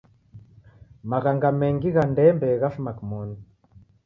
Maghanga mengi gha ndembe ghafuma kimonu.